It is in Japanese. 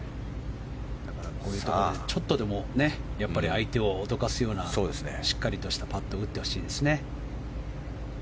こういうところでちょっとでも相手を脅かすようなしっかりとしたパットを打ってほしいですね。